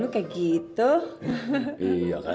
lo sakit bener